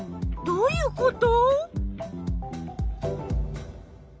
どういうこと？